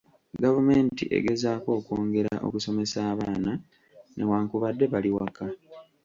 Gavumenti egezaako okwongera okusomesa abaana newankubadde bali waka